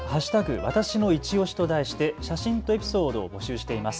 わたしのいちオシと題して写真とエピソードを募集しています。